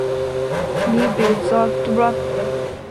固体物理学是凝聚态物理学中最大的分支。